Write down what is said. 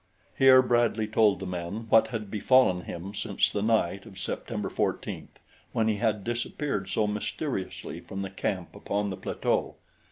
Here Bradley told the men what had befallen him since the night of September 14th when he had disappeared so mysteriously from the camp upon the plateau.